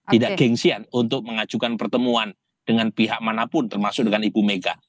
tidak gengsian untuk mengajukan pertemuan dengan pihak manapun termasuk dengan ibu mega